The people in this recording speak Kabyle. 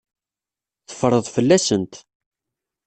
Teffreḍ fell-asent.